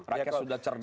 rakyat sudah cerdas